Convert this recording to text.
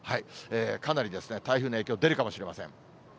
かなり台風の影響出るかもしれません。